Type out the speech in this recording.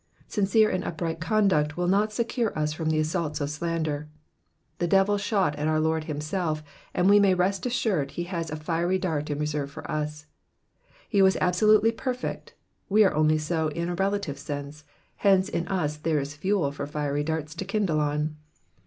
Sincere and up right conduct will not secure us from the assaults of slander. The devil shot at our Lord himself, and we may rest assured he has a fiery dart in reserve for us ; He was absolutely perfect, we are only so in a relative sense, hence in us there is fuel for fiery darts to kindle on.